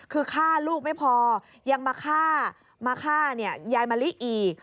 คือฆ่าลูกไม่พอยังมาฆ่ายายมาลิอี